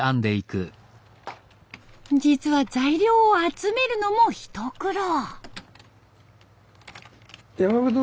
実は材料を集めるのも一苦労。